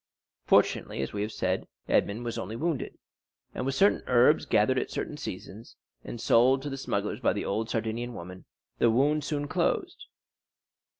Fortunately, as we have said, Edmond was only wounded, and with certain herbs gathered at certain seasons, and sold to the smugglers by the old Sardinian women, the wound soon closed.